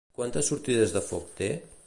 Quantes sortides de foc té?